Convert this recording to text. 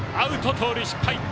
盗塁失敗。